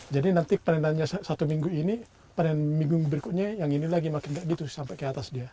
jadi nanti panenannya satu minggu ini panen minggu berikutnya yang ini lagi makin nggak gitu sampai ke atas dia